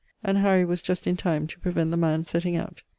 And Harry was just in time to prevent the man's setting out.